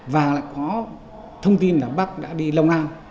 và lại có thông tin là bác đã đi long an